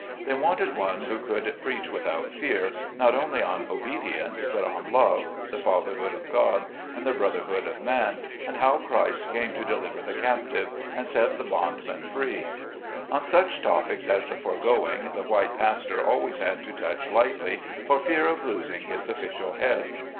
They wanted one who could preach without fear, not only on obedience but on love, the Fatherhood of God, and the Brotherhood of man, and how Christ came to deliver the captive, and set the bondman free. On such topics as the foregoing the white pastor always had to touch lightly, for fear af losing his official head.